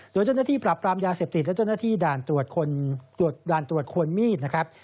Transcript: โดยเจ้าหน้าที่ปรับปรามยาเสพติดและเจ้าหน้าที่ด่านตรวจด่านตรวจคนมีดนะครับ